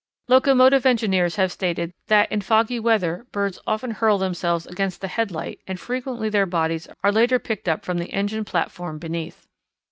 Locomotive engineers have stated that in foggy weather birds often hurl themselves against the headlight and frequently their bodies are later picked up from the engine platform beneath.